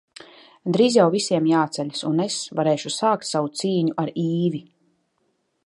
Drīz jau visiem jāceļas un es varēšu sākt savu cīņu ar Īvi.